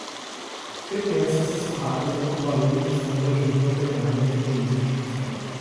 Sentenças sussurradas e com barulho de fundo ajudam a treinar a inteligência artificial